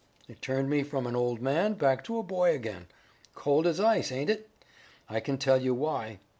It turned me from an old man back to a boy again. Cold as ice, ain't it? I can tell you why.